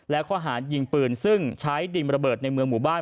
และข้อหารยิงปืนซึ่งใช้ดินระเบิดในเมืองหมู่บ้าน